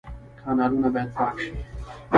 کانالونه باید پاک شي